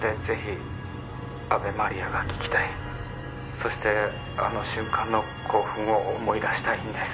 「そしてあの瞬間の興奮を思い出したいんです」